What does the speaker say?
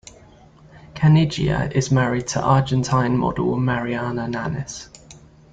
Caniggia is married to Argentine model Mariana Nannis.